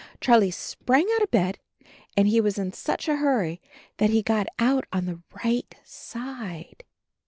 Charlie sprang out of bed and he was in such a hurry that he got out on the right side.